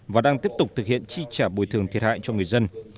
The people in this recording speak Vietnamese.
và đang tiếp tục thực hiện chi trả bồi thường thiệt hại cho người dân